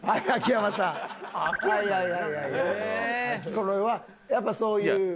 これはやっぱそういう。